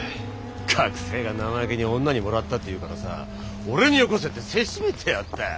学生が生意気に女にもらったっていうからさ俺によこせってせしめてやったよ。